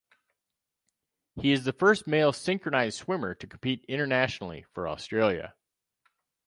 He is the first male synchronised swimmer to compete internationally for Australia.